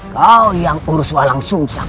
kau yang urus walang sum